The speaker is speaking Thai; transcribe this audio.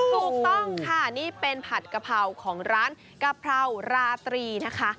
ถูกต้องค่ะนี่เป็นผัดกะเพราของร้านกะเพราราตรีนะคะ